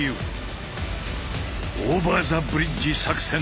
「オーバー・ザ・ブリッジ作戦」